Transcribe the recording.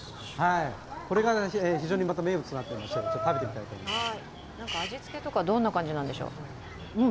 これが非常に名物になっていまして食べてみたいと思います。